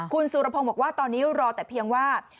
คุณสุรพงศ์บอกว่าตอนนี้รอแต่เพียงว่า